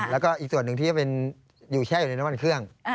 แล้วก็อีกส่วนหนึ่งที่เป็นอยู่แช่อยู่ในน้ำมันเครื่อง